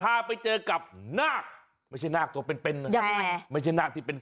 ถ้าไปเจอกับนาคไม่ใช่นาคตัวเป็น